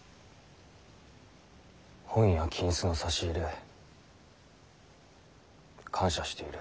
本や金子の差し入れ感謝している。